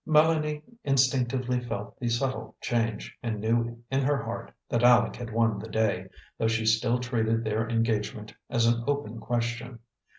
Mélanie instinctively felt the subtle change, and knew in her heart that Aleck had won the day, though she still treated their engagement as an open question.